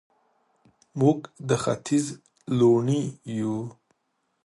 موږ د ختیځ لوڼې یو